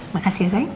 makasih ya sayang